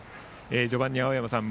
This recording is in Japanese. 序盤に青山さん